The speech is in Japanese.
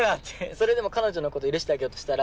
それでも彼女のこと許してあげようとしたら。